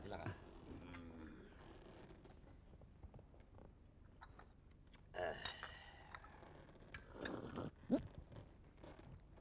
silahkan silahkan silahkan